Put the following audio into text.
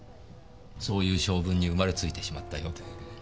そういう性分に生まれついてしまったようで。